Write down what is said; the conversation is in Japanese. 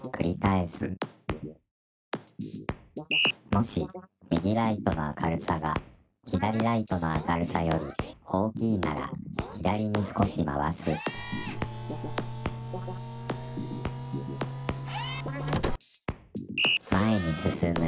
もし右ライトの明るさが左ライトの明るさより大きいなら左に少し回す前に進む